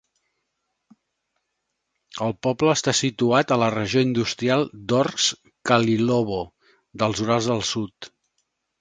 El poble està situat a la regió industrial d'Orsk-Khalilovo, dels Urals del sud.